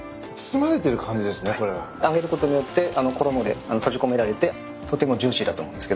これは。揚げることによって衣で閉じ込められてとてもジューシーだと思うんですけど。